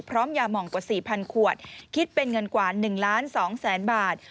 พร้อมยาหมองกว่า๔๐๐๐ขวดคิดเป็นเงินกว่า๑๒๐๐๐๐๐บาท